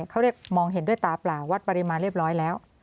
เขาเรียกมองเห็นด้วยตาเปล่าวัดปริมาณเรียบร้อยแล้ว